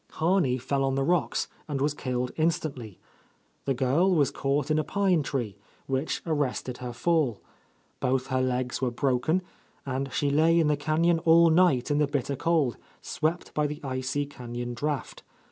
, Harney fell on the rocks and was killed instantly. The girl was caught in a pine tree, which arrested her fall. Both her legs were broken, and she lay in the canyon all night in the bitter cold, swept by the icy canyon draught.